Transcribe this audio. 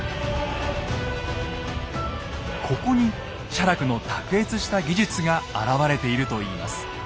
ここに写楽の卓越した技術が表れているといいます。